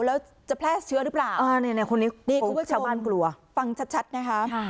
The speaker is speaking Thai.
แล้วจะแพร่เชื้อหรือเปล่าคุณผู้ชมฟังชัดนะครับ